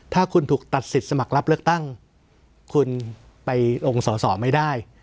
ถ้าคุณถูกตัดสิทธิ์สมัครรับเลือกตั้งคุณไปลงสอสอไม่ได้